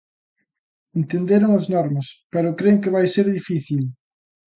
Entenderon as normas, pero cren que vai ser difícil...